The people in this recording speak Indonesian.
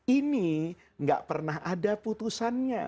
ini gak pernah ada putusannya